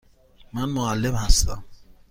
من معلم هستم.